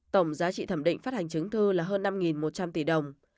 tổng giá trị thẩm định phát hành chứng thư là hơn năm một trăm linh tỷ đồng